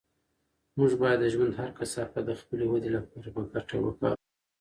موږ باید د ژوند هر کثافت د خپلې ودې لپاره په ګټه وکاروو.